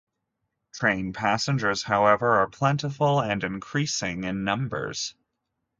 Train passengers, however, are plentiful and increasing in numbers.